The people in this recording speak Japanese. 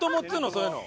そういうの。